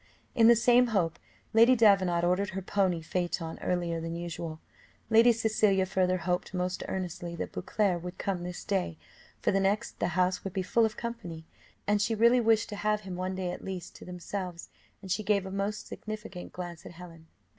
In the same hope, Lady Davenant ordered her pony phaeton earlier than usual; Lady Cecilia further hoped most earnestly that Beauclerc would come this day, for the next the house would be full of company, and she really wished to have him one day at least to themselves, and she gave a most significant glance at Helen.